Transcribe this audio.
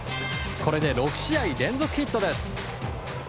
これで６試合連続ヒットです。